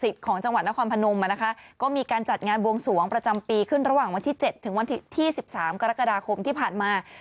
ที่๑๓กรกฎาคมที่ผ่านมา